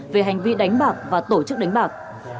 về hành vi đánh bạc và tổ chức đánh bạc